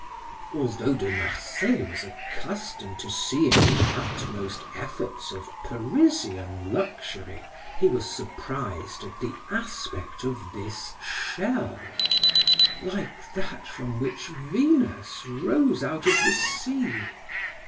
Although De Marsay was accustomed to seeing the utmost efforts of Parisian luxury, he was surprised at the aspect of this shell, like that from which Venus rose out of the sea.